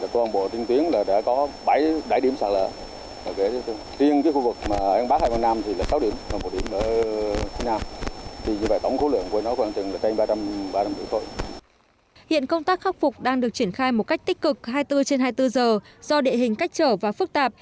hiện công tác khắc phục đang được triển khai một cách tích cực hai mươi bốn trên hai mươi bốn giờ do địa hình cách trở và phức tạp